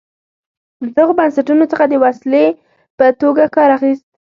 له دغو بنسټونو څخه د وسیلې په توګه کار اخیست.